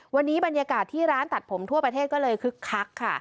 วันนี้บรรยากาศที่ร้านตัดผมทั่วประเทศก็เลยคึกคักค่ะ